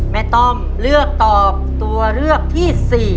ต้อมเลือกตอบตัวเลือกที่๔